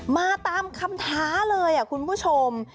มาตามคำท้าเลยคุณผู้ชม